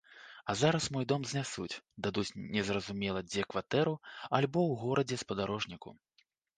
А зараз мой дом знясуць, дадуць незразумела дзе кватэру альбо ў горадзе-спадарожніку.